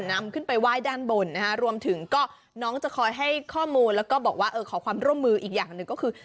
นำขึ้นไปไหว้ด้านบนนะฮะรวมถึงก็น้องจะคอยให้ข้อมูลแล้วก็บอกว่าเออขอความร่วมมืออีกอย่างหนึ่งก็คือ